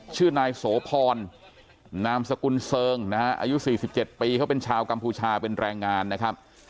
ชื่อนายโสพรนามสกุลเซิงนะฮะอายุ๔๗ปีเขาเป็นชาวกัมพูชาเป็นแรงงานนะครับ